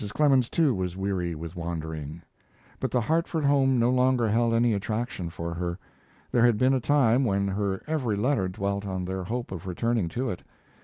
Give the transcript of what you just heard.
Clemens, too, was weary with wandering, but the Hartford home no longer held any attraction for her. There had been a time when her every letter dwelt on their hope of returning to it.